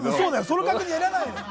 その確認はいらないよ。